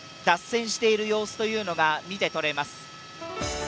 脱線している様子というのが見て取れます。